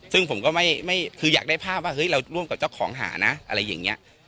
ซึ่งผมก็คืออยากได้ภาพว่าเฮ้ยเราร่วมกับเจ้าของหานะอะไรอย่างนี้